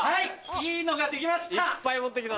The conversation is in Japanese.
いいのができました。